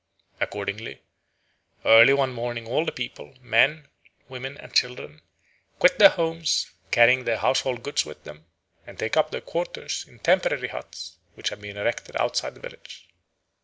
Accordingly, early one morning all the people, men, women, and children, quit their homes, carrying their household goods with them, and take up their quarters in temporary huts which have been erected outside the village.